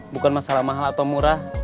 bukan masalah mahal atau murah